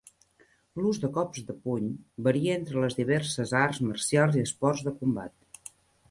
L'ús de cops de puny varia entre les diverses arts marcials i esports de combat.